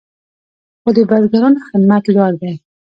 خو د بزګرانو همت لوړ دی.